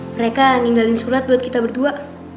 mereka ninggalin surat buat kita berdua